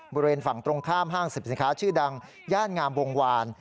บริเวณฝั่งตรงข้ามห้างสรรพสินค้าชื่อดังย่านงามวงวาน